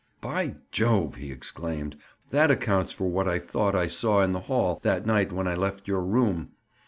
"By jove!" he exclaimed. "That accounts for what I thought I saw in the hall that night when I left your room.